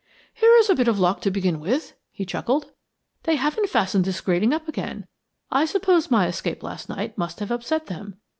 "Here is a bit of luck to begin with," he chuckled. "They haven't fastened this grating up again. I suppose my escape last night must have upset them.